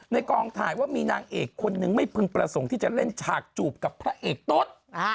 กองถ่ายว่ามีนางเอกคนนึงไม่พึงประสงค์ที่จะเล่นฉากจูบกับพระเอกต้น